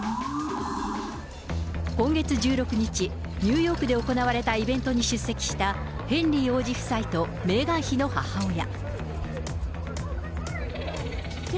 今月１６日、ニューヨークで行われたイベントに出席したヘンリー王子夫妻とメーガン妃の母親。